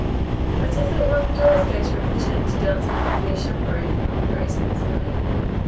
"But I thought one could always go to a fraternity dance if properly chaperoned," remarked Grace innocently.